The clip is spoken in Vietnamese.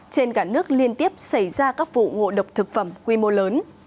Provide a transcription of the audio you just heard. trên cả nước liên tiếp xảy ra các vụ ngộ độc thực phẩm quy mô lớn